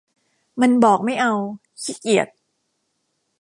มันบอกไม่เอา ขี้เกียจ